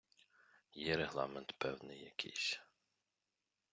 Є регламент певний якийсь.